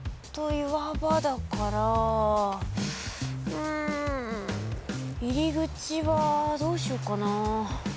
うん入り口はどうしようかな。